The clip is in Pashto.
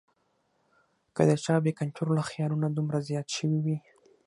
کۀ د چا بې کنټروله خیالونه دومره زيات شوي وي